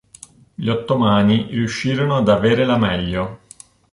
Gli ottomani riuscirono ad avere la meglio.